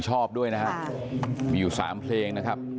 ชอบด้วยนะครับมีอยู่๓เพลงนะครับ